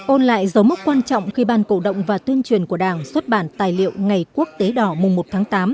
ôn lại dấu mốc quan trọng khi ban cổ động và tuyên truyền của đảng xuất bản tài liệu ngày quốc tế đỏ mùng một tháng tám